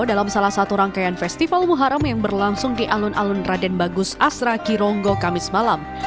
dalam salah satu rangkaian festival muharam yang berlangsung di alun alun raden bagus asra kironggo kamis malam